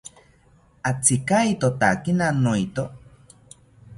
Atzikaitotakina noeto